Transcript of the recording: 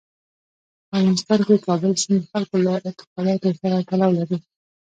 په افغانستان کې کابل سیند د خلکو له اعتقاداتو سره تړاو لري.